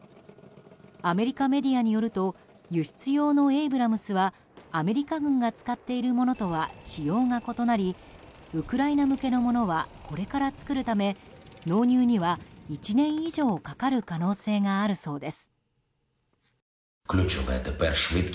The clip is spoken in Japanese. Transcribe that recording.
アメリカメディアによると輸出用のエイブラムスはアメリカ軍が使っているものとは仕様が異なりウクライナ向けのものはこれから作るため納入には１年以上かかる可能性があるそうです。